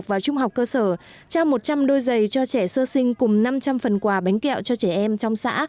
và trung học cơ sở trao một trăm linh đôi giày cho trẻ sơ sinh cùng năm trăm linh phần quà bánh kẹo cho trẻ em trong xã